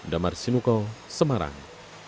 damar sinuko semarang